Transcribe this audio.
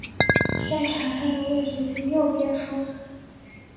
在场上的位置是右边锋。